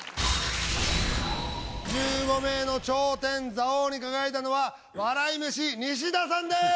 １５名の頂点座王に輝いたのは笑い飯西田さんです。